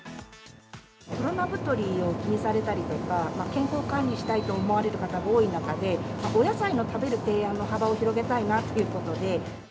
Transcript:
コロナ太りを気にされたりとか、健康管理したいと思われる方が多い中で、お野菜を食べる提案の幅を広げたいなということで。